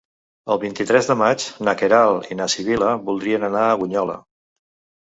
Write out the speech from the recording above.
El vint-i-tres de maig na Queralt i na Sibil·la voldrien anar a Bunyola.